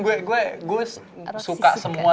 gue suka semua